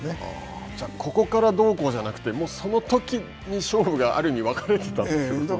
ここからどうこうじゃなくて、もう、そのときに勝負が勝負がある意味分かれていたと。